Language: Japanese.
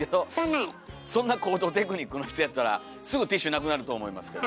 そんな高等テクニックの人やったらすぐティッシュなくなると思いますけど。